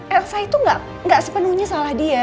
elsa itu nggak sepenuhnya salah dia